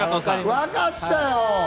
わかったよ。